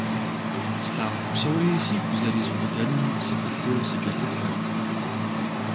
Слъагъу псори сигу зэризубыдэным сыпылъу сыкӀэлъыплъырт.